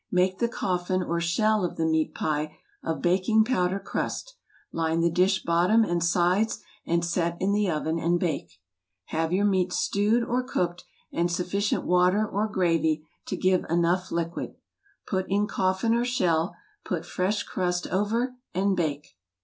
Make the coffin or shell of the meat pie of baking powder crust, line the dish bottom and sides, and set in the oven and bake. Have your meat stewed or cooked, and sufficient water or gravy to give enough liquid; put in coffin or shell, put fresh crust over, and bake.